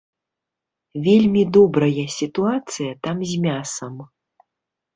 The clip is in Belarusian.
Вельмі добрая сітуацыя там з мясам.